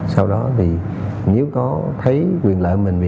sau đó thì nếu có thấy quyền lợi mình